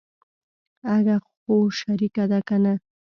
اگه خو شريکه ده کنه.